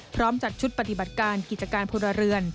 พร้อมจัดชุดปฏิบัติการกิจการพลเรือน